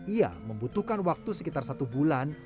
ia membutuhkan waktu sekitar satu bulan